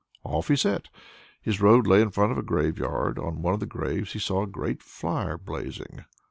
Off he set. His road lay in front of a graveyard. On one of the graves he saw a great fire blazing.